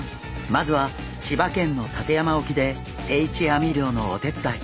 まずは千葉県の館山沖で定置網漁のお手伝い。